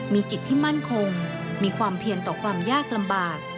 มีจิตที่มั่นคงมีความเพียรต่อความยากลำบาก